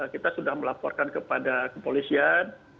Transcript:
kita sudah melaporkan kepada kepolisian